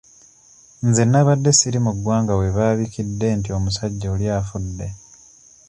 Nze nnabadde siri mu ggwanga we baabikidde nti omusajja oli afudde.